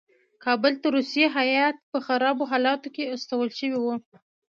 کابل ته روسي هیات په خرابو حالاتو کې استول شوی وو.